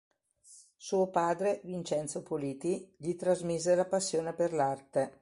Suo padre, Vincenzo Politi, gli trasmise la passione per l'arte.